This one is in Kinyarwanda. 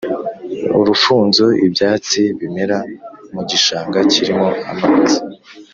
urufunzo: ibyatsi bimera mu gishanga kirimo amazi